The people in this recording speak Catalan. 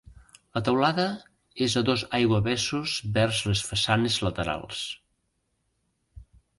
La teulada és a dos aiguavessos vers les façanes laterals.